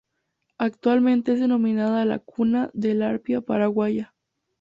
Actualmente es denominada La Cuna del Arpa Paraguaya.